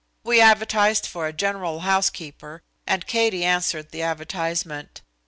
We advertised for a general housekeeper, and Katie answered the advertisement.